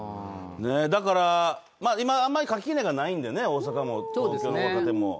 だから、今あんまり垣根がないんでね、大阪も東京の若手も。